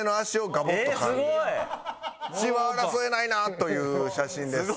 血は争えないなという写真です。